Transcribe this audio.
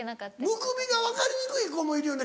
むくみが分かりにくい子もいるよね